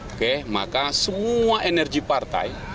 oke maka semua energi partai